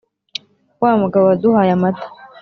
wa mugabo waduhaye amata